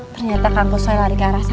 ternyata kampus saya lari ke arah sana